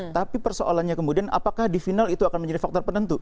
tapi persoalannya kemudian apakah di final itu akan menjadi faktor penentu